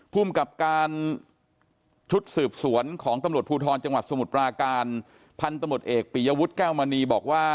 ภูมิกับการชุดสืบสวนของตำรวจภูทรจังหวัดสมุทรปราการพันธมตเอกปียวุฒิแก้วมณีบอกว่า